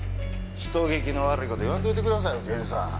人聞きの悪い事言わんといてくださいよ刑事さん。